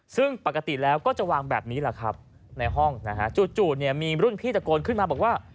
ซึ่งปกติแล้วก็จะวางแบบนี้แหละครับในห้องนะฮะจู่มีรุ่นพี่ตะโกนขึ้นมาบอกว่า